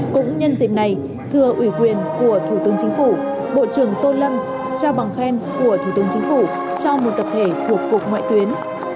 cũng nhân dịp này thưa ủy quyền của thủ tướng chính phủ bộ trưởng tô lâm trao bằng khen của thủ tướng chính phủ cho một tập thể thuộc cục ngoại tuyến